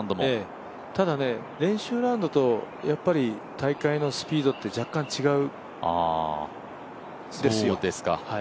ただ、練習ラウンドと大会のスピードって若干違うんですよ。